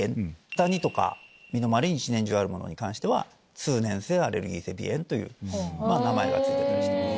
ダニとか身の回りに１年中あるものに関しては通年性アレルギー性鼻炎という名前が付いている。